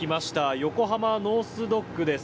横浜ノース・ドックです。